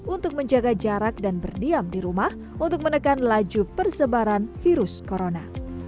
untuk menjaga jarak dan berdiam di rumah untuk menekan laju persebaran virus corona